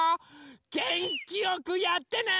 げんきよくやってね！